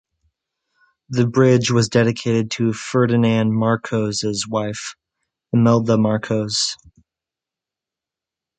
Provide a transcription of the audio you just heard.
The bridge was dedicated to Ferdinand Marcos' wife, Imelda Marcos.